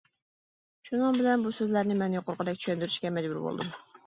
شۇنىڭ بىلەن بۇ سۆزلەرنى مەن يۇقىرىقىدەك چۈشەندۈرۈشكە مەجبۇر بولدۇم.